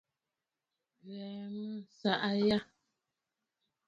Ghɛ̀ɛ mèʼe ntsàʼà jyâ.